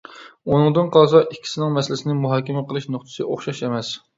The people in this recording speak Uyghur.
ئۇنىڭدىن قالسا، ئىككىسىنىڭ مەسىلىنى مۇھاكىمە قىلىش نۇقتىسى ئوخشاش ئەمەس.